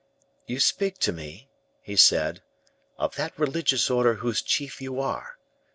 "You speak to me," he said, "of that religious order whose chief you are.